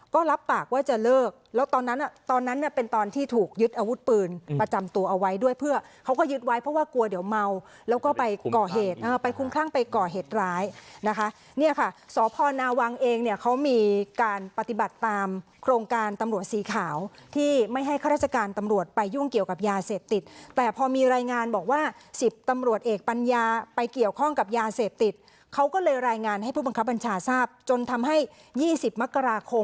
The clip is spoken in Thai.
ก็รับปากว่าจะเลิกแล้วตอนนั้นตอนนั้นเป็นตอนที่ถูกยึดอาวุธปืนประจำตัวเอาไว้ด้วยเพื่อเขาก็ยึดไว้เพราะว่ากลัวเดี๋ยวเมาแล้วก็ไปก่อเหตุไปคุ้มข้างไปก่อเหตุร้ายนะคะเนี่ยค่ะสพนาวังเองเนี่ยเขามีการปฏิบัติตามโครงการตำรวจสีขาวที่ไม่ให้ข้าราชการตำรวจไปยุ่งเกี่ยวกับยาเสพติดแต่พอมีร